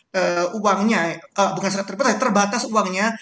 terbatas uangnya bukan terbatas terbatas uangnya